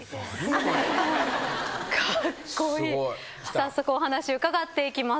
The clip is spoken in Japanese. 早速お話伺っていきます。